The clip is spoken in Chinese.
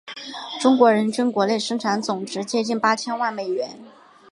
中国人均国内生产总值接近八千万美元。